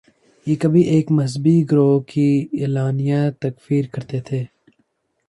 یہ کبھی ایک مذہبی گروہ کی اعلانیہ تکفیر کرتے تھے۔